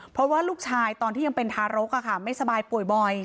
เพราะว่าลูกชายตอนที่ยังเป็นทารกไม่สบายป่วยบ่อย